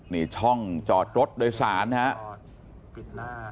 นี่ช่องจอดรถโดยสารนะครับ